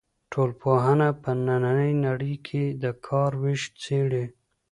ټولنپوهنه په نننۍ نړۍ کې د کار وېش څېړي.